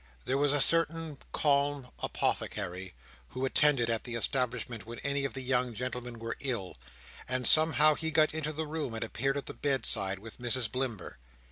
There was a certain calm Apothecary, who attended at the establishment when any of the young gentlemen were ill, and somehow he got into the room and appeared at the bedside, with Mrs Blimber.